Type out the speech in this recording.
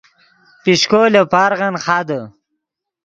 پیشکو لے پارغن خادے